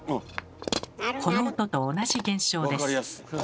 この音と同じ現象です。